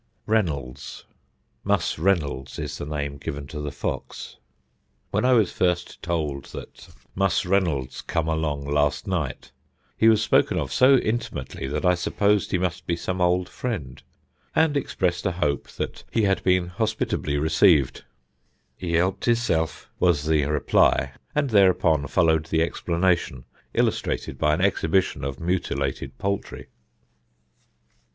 [Sidenote: "MUS REYNOLDS"] Reynolds ("Mus Reynolds" is the name given to the fox): When I was first told that "Muss Reynolds come along last night" he was spoken of so intimately that I supposed he must be some old friend, and expressed a hope that he had been hospitably received. "He helped hisself," was the reply; and thereupon followed the explanation, illustrated by an exhibition of mutilated poultry.